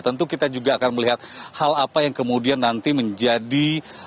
tentu kita juga akan melihat hal apa yang kemudian nanti menjadi